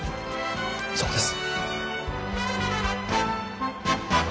そこです。